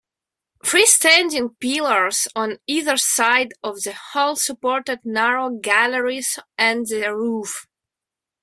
Freestanding pillars on either side of the hall supported narrow galleries and the roof.